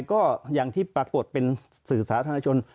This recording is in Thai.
ก็อย่างที่ปรากฏเป็นสื่อสาธารณชน